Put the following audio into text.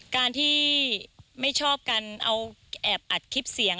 การที่ไม่ชอบกันเอาแอบอัดคลิปเสียง